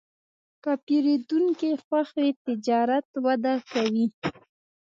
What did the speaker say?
که پیرودونکی خوښ وي، تجارت وده کوي.